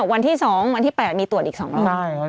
วันที่๒วันที่๘มีตรวจอีก๒วัน